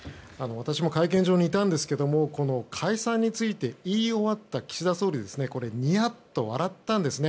私も会見場にいたんですが解散について言い終わった岸田総理ニヤッと笑ったんですね。